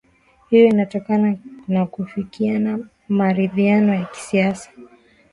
hiyo inatokana nakufikiana maridhiano ya kisiasa